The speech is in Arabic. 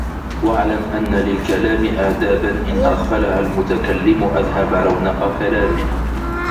وَاعْلَمْ أَنَّ لِلْكَلَامِ آدَابًا إنْ أَغْفَلَهَا الْمُتَكَلِّمُ أَذْهَبَ رَوْنَقَ كَلَامِهِ